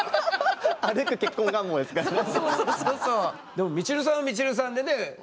でもみちるさんはみちるさんでね。